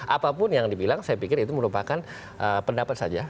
apapun yang dibilang saya pikir itu merupakan pendapat saja